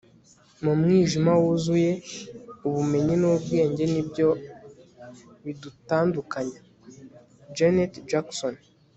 mu mwijima wuzuye, ubumenyi n'ubwenge ni byo bidutandukanya. - janet jackson